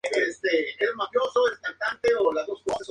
La obra fue presentada en varios países.